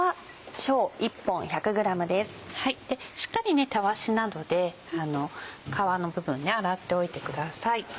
しっかりたわしなどで皮の部分洗っておいてください。